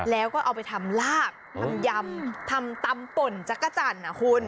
แล้วก็เอาไปทำลาบทำยำทำตำป่นจักรจันทร์คุณ